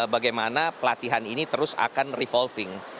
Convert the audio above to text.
bagaimana pelatihan ini terus akan revolving